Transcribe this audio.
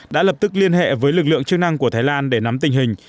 đã lập tức liên hệ với lực lượng chức năng của thái lan để nắm tình hình